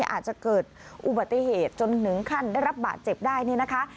อาจจะเกิดอุบัติเหตุจนถึงขั้นได้รับบาดเจ็บได้เนี่ยนะคะ